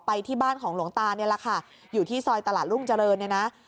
ที่บ้านของหลวงตานี่แหละค่ะอยู่ที่ซอยตลาดรุ่งเจริญเนี่ยนะ